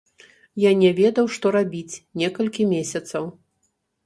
Я не ведаў, што рабіць, некалькі месяцаў.